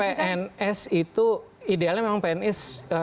pns itu idealnya memang pns